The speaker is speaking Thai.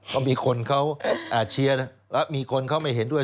ก็มีคนเขาเชียร์แล้วมีคนเขาไม่เห็นด้วย